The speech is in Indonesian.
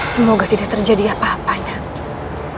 semoga tidak terjadi apa apa